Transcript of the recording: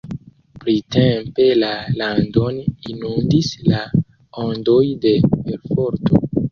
Printempe la landon inundis la ondoj de perforto.